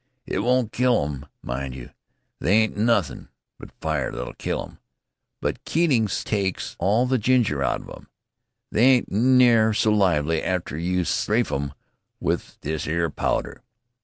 "It won't kill 'em, mind you! They ain't nothin' but fire that'll kill 'em. But Keatings tykes all the ginger out o' 'em. They ain't near so lively arter you strafe 'em with this 'ere powder."